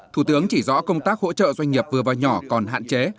thủ tướng chỉ rõ công tác hỗ trợ doanh nghiệp vừa và nhỏ còn hạn chế